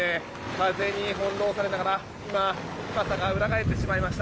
風に翻ろうされながら今、傘が裏返ってしまいました。